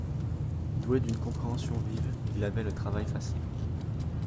Doué d’une compréhension vive, il avait le travail facile.